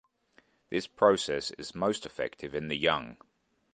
This process is most effective in the young.